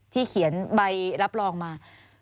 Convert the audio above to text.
เขียนใบรับรองมา